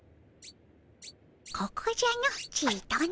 ここじゃのちとの。